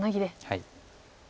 はい。